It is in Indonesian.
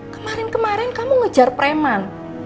kemarin kemarin kamu ngejar preman